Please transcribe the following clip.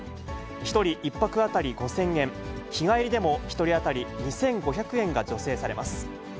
１人１泊当たり５０００円、日帰りでも１人当たり２５００円が助成されます。